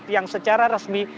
yang secara resmi